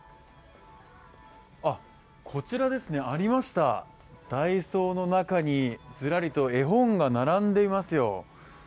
あっ、こちらですね、ありました、ダイソーの中に、ずらりと絵本が並んでいますよ。